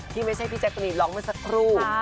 ที่ไม่ใช่พี่แจกตนิดร้องมันสักครู่